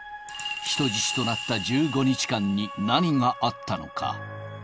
人質となった１５日間に何があったのか。